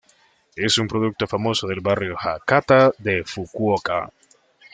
Es un producto famoso del barrio Hakata de Fukuoka.